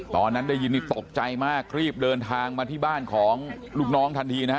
ตอนนั้นได้ยินนี่ตกใจมากรีบเดินทางมาที่บ้านของลูกน้องทันทีนะฮะ